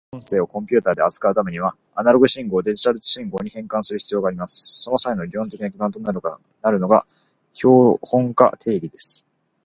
音声をコンピュータで扱うためには、アナログ信号をデジタル信号に変換する必要があります。その際の理論的な基盤となるのが標本化定理です。